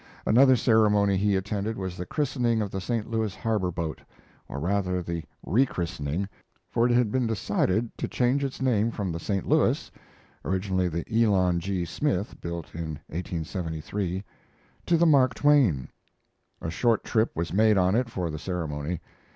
Another ceremony he attended was the christening of the St. Louis harbor boat, or rather the rechristening, for it had been decided to change its name from the St. Louis [Originally the Elon G. Smith, built in 1873.] to the Mark Twain. A short trip was made on it for the ceremony.